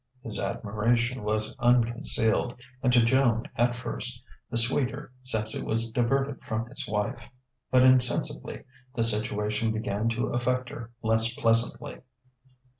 His admiration was unconcealed, and to Joan at first the sweeter since it was diverted from his wife. But insensibly the situation began to affect her less pleasantly.